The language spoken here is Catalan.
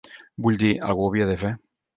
Vull dir, algú ho havia de fer.